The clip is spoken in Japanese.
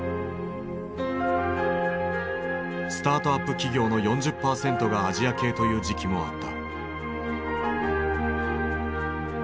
スタートアップ企業の４０％がアジア系という時期もあった。